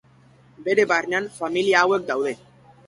Bere barnean familia hauek daude.